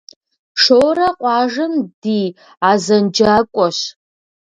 Шорэ къуажэм ди азэнджакӏуэщ.